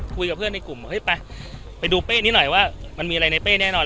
คุยกับเพื่อนในกลุ่มบอกเฮ้ยไปไปดูเป้นี้หน่อยว่ามันมีอะไรในเป้แน่นอน